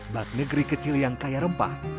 bak negeri kecil yang kaya rempah